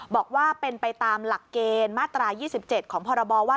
บอกว่าเป็นไปตามหลักเกณฑ์มาตรา๒๗ของพรบว่า